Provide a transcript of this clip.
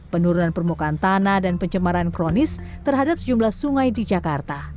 penurunan permukaan tanah dan pencemaran kronis terhadap sejumlah sungai di jakarta